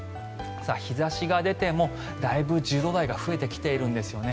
日差しが出てもだいぶ１０度台が増えてきているんですよね。